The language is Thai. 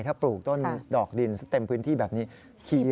ถ้าปลูกต้นดอกดินเต็มพื้นที่แบบนี้